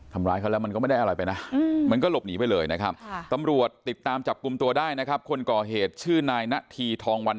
ทำกินถ้าอยู่นะครับแต่พอดีแม่โทรมาว่าช่วยแม่ด้วยอะไรเงี้ยแม่ถูกจี้ถูกแท้